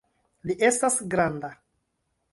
Li estas granda!